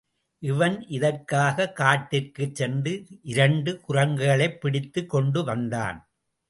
இவன், இதற்காகக் காட்டிற்குச் சென்று இரண்டு குரங்குகளைப் பிடித்துக் கொண்டுவந்தான்.